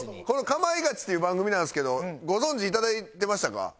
この『かまいガチ』っていう番組なんですけどご存じいただいてましたか？